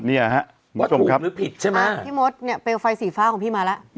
พี่มสเนี่ยเปลย์ไฟสีฟ้าของพี่มาแล้ว